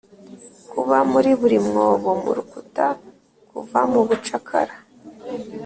kuba muri buri mwobo-mu rukuta kuva mubucakara